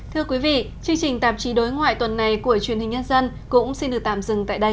thưa quý vị chương trình tạp chí đối ngoại tuần này của truyền hình nhân dân cũng xin được tạm dừng tại đây